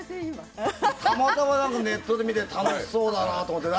たまたまネットで見て楽しそうだなと思って。